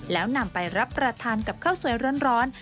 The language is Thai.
แล้วนำไปรับประทานกับข้าวสวยร้อน